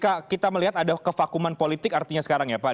pak kita melihat ada kevakuman politik artinya sekarang ya pak